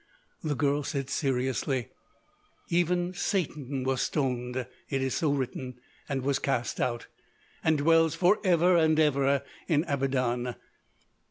The girl said seriously: "Even Satan was stoned. It is so written. And was cast out. And dwells forever and ever in Abaddon.